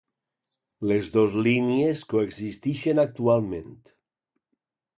Les dos línies coexistixen actualment.